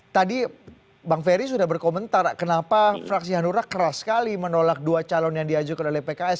tadi bang ferry sudah berkomentar kenapa fraksi hanura keras sekali menolak dua calon yang diajukan oleh pks